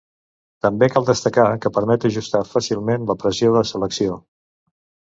També cal destacar que permet ajustar fàcilment la pressió de selecció.